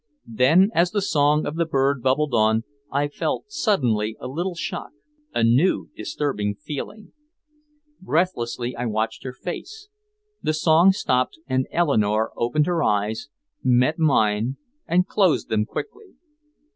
Then as the song of the bird bubbled on, I felt suddenly a little shock, a new disturbing feeling. Breathlessly I watched her face. The song stopped and Eleanore opened her eyes, met mine, and closed them quickly.